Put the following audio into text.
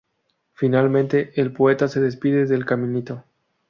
Finalmente, el poeta se despide del caminito.